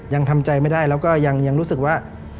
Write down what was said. ยังทำใจไม่ได้แล้วก็ยังรู้สึกว่า